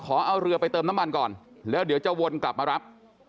เอาเรือไปเติมน้ำมันก่อนแล้วเดี๋ยวจะวนกลับมารับ